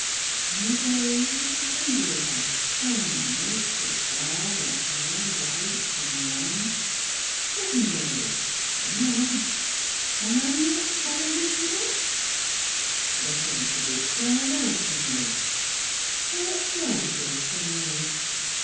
How many days has the candle light shone On us as tha got more white an' wan? Seven days, or none Am I not tellin' thee summat? Tha come to bid farewell to me Tha'rt frit o' summat.